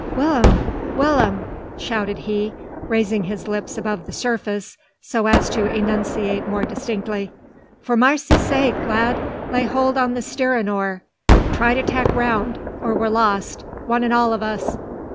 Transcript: "Will'm! Will'm!" shouted he, raising his lips above the surface so as to enunciate more distinctly. "For marcy's sake, lad, lay hold on the steerin' oar. Try to tack round, or we're lost one an' all o' us!"